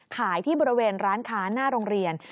ขายที่บริเวณร้านค้าหน้าโรงเรียน